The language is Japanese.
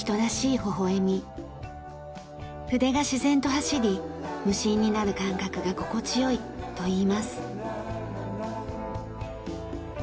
筆が自然と走り無心になる感覚が心地よいといいます。